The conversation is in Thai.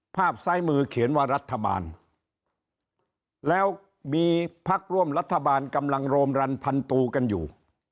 ภาพซ้ายมือเขียนว่ารัฐบาลแล้วมีพักร่วมรัฐบาลกำลังโรมรันพันตูกันอยู่